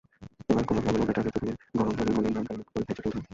এবার কুমড়া ফুলগুলো বেটারে চুবিয়ে গরম তেলে গোল্ডেন ব্রাউন কালার করে ভেজে তুলতে হবে।